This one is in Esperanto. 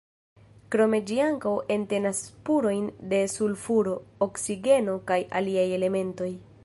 Krome ĝi ankaŭ entenas spurojn de sulfuro, oksigeno kaj aliaj elementoj.